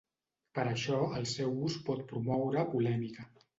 Per això, el seu ús pot promoure polèmica.